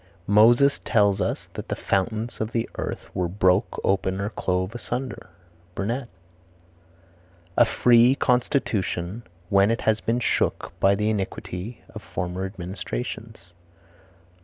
"Moses tells us that the fountains of the earth were broke open or clove asunder." Burnet. "A free constitution when it has been shook by the iniquity of former administrations."